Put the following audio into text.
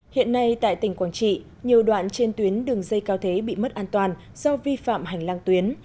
hiện nay tại tỉnh quảng trị nhiều đoạn trên tuyến đường dây cao thế bị mất an toàn do vi phạm hành lang tuyến